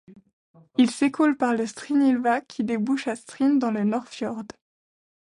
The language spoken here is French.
Il s'écoule par le Stryneelva, qui débouche à Stryn dans le Nordfjord.